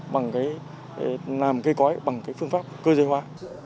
làm cây cõi bằng phương pháp cơ giới hóa